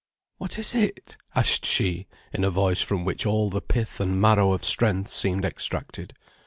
"What is it?" asked she, in a voice from which all the pith and marrow of strength seemed extracted.